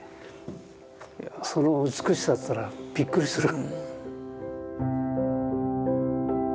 その美しさといったらびっくりする。